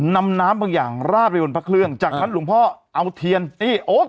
นำน้ำบางอย่างราดไปบนพระเครื่องจากนั้นหลวงพ่อเอาเทียนนี่โอ๊ค